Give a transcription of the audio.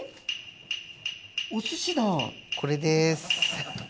これです。